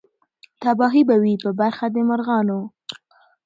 تباهي به وي په برخه د مرغانو